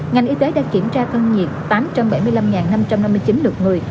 ngành y tế đã kiểm tra thân nhiệt tám trăm bảy mươi năm năm trăm năm mươi chín lượt người